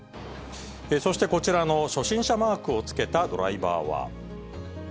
そしてこちらの初心者マークをつけたドライバーは。